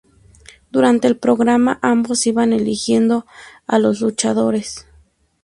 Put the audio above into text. Durante el programa ambos iban eligiendo a los luchadores.